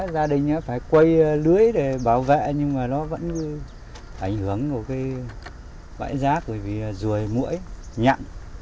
gia đình phải quay lưới để bảo vệ nhưng mà nó vẫn ảnh hưởng vào bãi rác vì rùi mũi nhặn